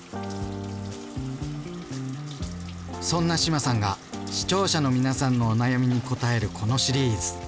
そんな志麻さんが視聴者の皆さんのお悩みに応えるこのシリーズ。